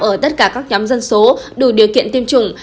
ở tất cả các nhóm dân số đủ điều kiện tiêm chủng